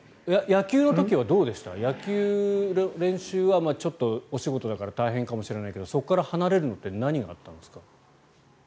野球の練習はちょっとお仕事だから大変かもしれないけどそこから離れるのって何があったんですか？